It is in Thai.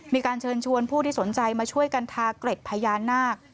มีการเชิญชวนผู้ที่สนใจมาช่วยกันทาเกร็ดพญานาค